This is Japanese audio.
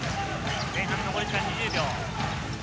前半残り時間２０秒。